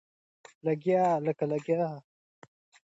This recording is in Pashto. لکه لګيا يمه امبور کښې ترې څرمنه نيسم